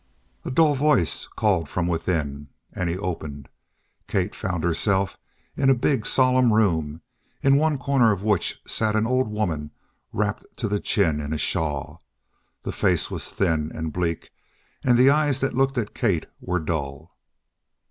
A dull voice called from within, and he opened. Kate found herself in a big, solemn room, in one corner of which sat an old woman wrapped to the chin in a shawl. The face was thin and bleak, and the eyes that looked at Kate were dull.